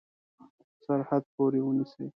سرحد پوري ونیسي.